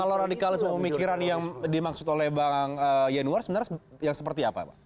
kalau radikalisme pemikiran yang dimaksud oleh bang yanuar sebenarnya yang seperti apa pak